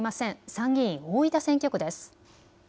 参議院大分選挙区です。